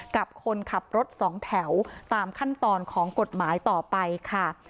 กับคนขับรถสองแถวตามขั้นตอนของกฎหมายต่อไปค่ะ